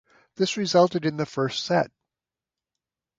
This resulted in the first set.